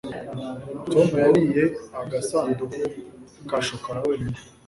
tom yariye agasanduku ka shokora wenyine